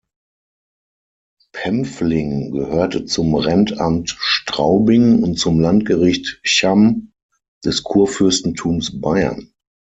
Pemfling gehörte zum Rentamt Straubing und zum Landgericht Cham des Kurfürstentums Bayern.